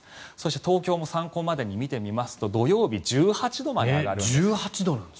東京も参考で見てみますと土曜日１８度まで上がるんです。